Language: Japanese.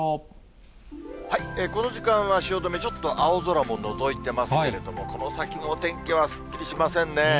この時間は汐留、ちょっと青空ものぞいてますけれども、この先のお天気はすっきりしませんね。